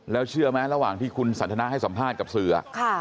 แล้วเชื่อไหมระหว่างที่คุณสันทนาให้สัมภาษณ์กับสื่อ